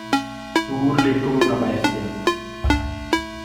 Tu urli come una bestia;.